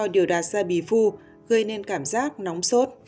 đạt ra bì phu gây nên cảm giác nóng sốt